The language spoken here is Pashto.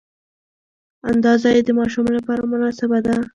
اندازه یې د ماشوم لپاره مناسبه ده.